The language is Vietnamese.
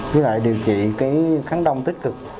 với lại điều trị cái kháng đông tích cực